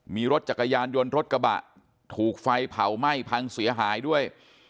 มีรถจักรยานยนต์รถกระบะถูกไฟเผาไหม้พังเสียหายด้วย